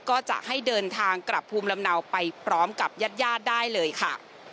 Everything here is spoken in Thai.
ก็จะให้เดินทางกลับภูมิลำเนาไปพร้อมกับญาติญาติได้เลยค่ะ